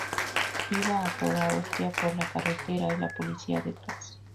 Iba a toda hostia por la carretera y la policía detrás